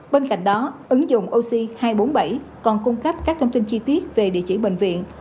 bên cạnh đó ứng dụng oxy hai trăm bốn mươi bảy còn cung cấp các thông tin chi tiết về địa chỉ bệnh viện